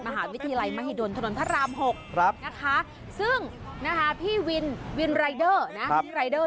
มหาวิทยาลัยมหิดลถนนทราม๖นะคะซึ่งพี่วินวินรายเดอร์เนี่ย